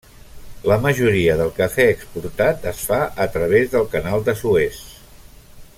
La majoria del cafè exportat es fa a través del Canal de Suez.